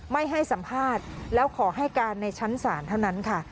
ไม่ให้สัมภาษณ์แล้วขอให้การในชั้นศาลเท่านั้นค่ะ